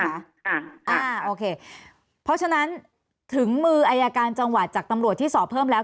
อ่าอ่าโอเคเพราะฉะนั้นถึงมืออายการจังหวัดจากตำรวจที่สอบเพิ่มแล้ว